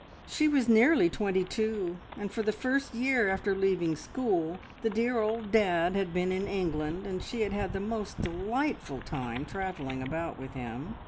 She was nearly twenty two, and for the first year after leaving school the dear old dad had been in England, and she had had the most delightful time travelling about with him.